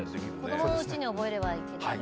子供のうちに覚えればいける。